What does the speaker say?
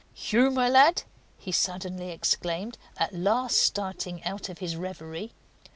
"Hugh, my lad!" he suddenly exclaimed, at last starting out of his reverie.